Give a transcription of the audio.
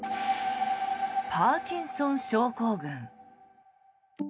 パーキンソン症候群。